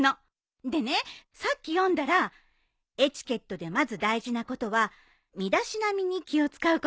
でねさっき読んだらエチケットでまず大事なことは身だしなみに気を使うことなんだって。